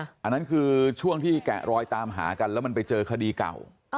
อันนั้นคือช่วงที่แกะรอยตามหากันแล้วมันไปเจอคดีเก่า